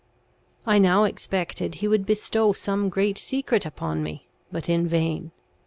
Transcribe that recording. I now expected he would bestow some great secret upon me ; but in vain.